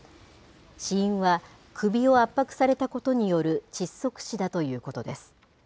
死因は首を圧迫されたことによる窒息死だということです。